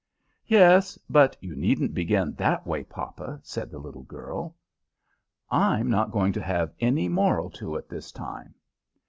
"Yes; but you needn't begin that way, papa," said the little girl; "I'm not going to have any moral to it this time."